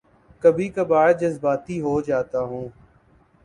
کبھی کبھار جذباتی ہو جاتا ہوں